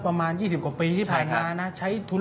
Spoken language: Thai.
ประมาณ๒๐กว่าปีที่ผ่านมานะ